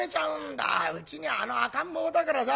うちにはあの赤ん坊だからさ。